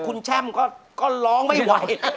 คุณแช่มก็ร้องไม่ไหว